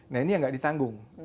nah ini yang nggak ditanggung